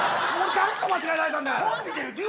誰と間違えられたんだよ。